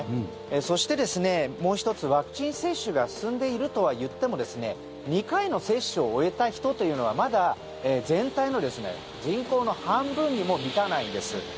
そして、もう１つワクチン接種が進んでいるとはいっても２回の接種を終えた人というのはまだ全体の人口の半分にも満たないんです。